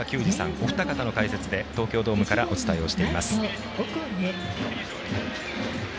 お二方の解説で東京ドームからお伝えをしています。